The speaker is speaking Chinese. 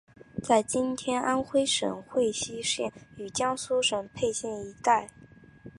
在今天安微省睢溪县与江苏省沛县一带。